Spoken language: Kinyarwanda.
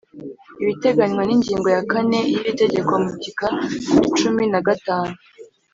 ibiteganywa n’ ingingo ya kane y’ iri tegeko mu gika cumi na gatanu